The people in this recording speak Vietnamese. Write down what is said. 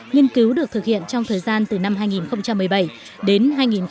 nghiên cứu được thực hiện trong thời gian từ năm hai nghìn một mươi bảy đến hai nghìn một mươi tám